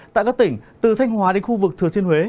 tại các tỉnh từ thanh hóa đến khu vực thừa thiên huế